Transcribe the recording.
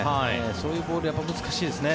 そういうボール、難しいですね